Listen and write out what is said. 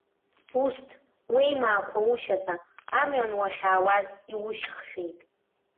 Усҭ, уеимаақәа ушьаҵа, амҩан уахьаауаз иушьхшәеит.